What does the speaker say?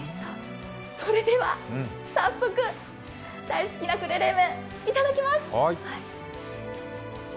それでは早速大好きな呉冷麺、いただきます。